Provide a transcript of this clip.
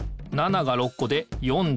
７が６こで４２。